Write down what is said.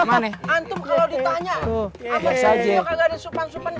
antum kalau ditanya apa senior kagak ada supan supan